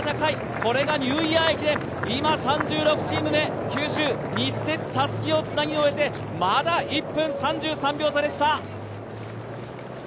これがニューイヤー駅伝、今３６チームで九州・西鉄、たすきをつなげてまだ１分３３秒差でした。